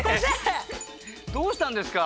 どうしたんですか？